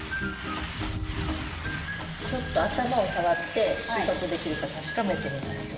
ちょっと頭を触って収穫できるか確かめてみましょう。